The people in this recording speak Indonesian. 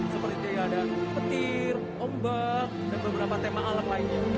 seperti jaya ada petir ombak dan beberapa tema alam lainnya